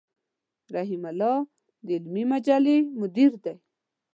رحيم الله د علمي مجلې مدير دی.